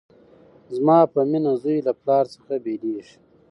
زما په مینه زوی له پلار څخه بیلیږي